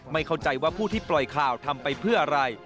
ไม่เข้าใจว่าผู้ที่ปล่อยข่าวทำไปเพื่ออะไร